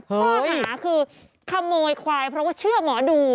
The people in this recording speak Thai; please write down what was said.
ข้อหาคือขโมยควายเพราะว่าเชื่อหมอดู